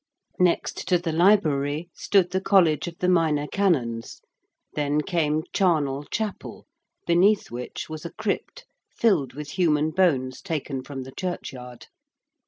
Next to the library stood the College of the Minor Canons: then came Charnel Chapel, beneath which was a crypt filled with human bones taken from the churchyard.